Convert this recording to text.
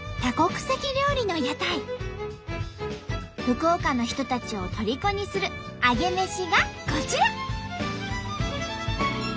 福岡の人たちをとりこにするアゲメシがこちら。